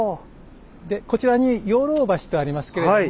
でこちらに養老橋とありますけれども。